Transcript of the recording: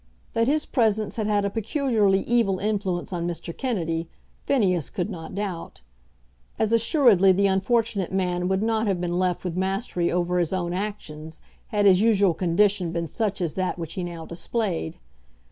That his presence had had a peculiarly evil influence on Mr. Kennedy, Phineas could not doubt; as assuredly the unfortunate man would not have been left with mastery over his own actions had his usual condition been such as that which he now displayed.